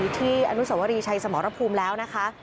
ที่อนุสวรีชัยสมรภูมิแล้วนะคะ